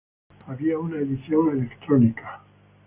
Había una edición electrónica.